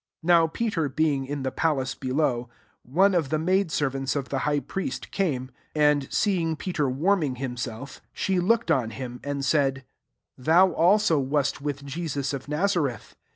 66 NOW Peter bemg in the palace below, one of the maid servants of the higb prieftt came; 67 and seeing Peter warming himself, she looked MARK XV. 101 (Md hinii and said, ''Thou also wMt with Jesus of Nazareth."